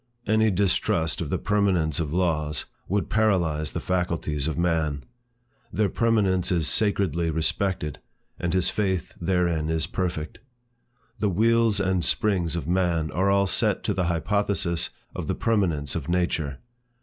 Any distrust of the permanence of laws, would paralyze the faculties of man. Their permanence is sacredly respected, and his faith therein is perfect. The wheels and springs of man are all set to the hypothesis of the permanence of nature.